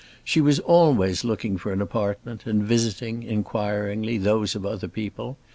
She was always looking for an apartment, and visiting, inquiringly, those of other people.